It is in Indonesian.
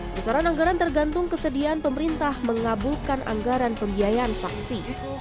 besaran anggaran tergantung kesediaan pemerintah mengabulkan anggaran pembiayaan saksi